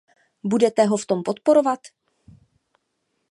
Budete ho v tom podporovat?